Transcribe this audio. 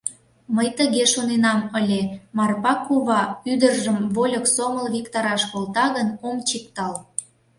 Мый тыге шоненам ыле: Марпа кува ӱдыржым вольык сомыл виктараш колта гын, ом чиктал.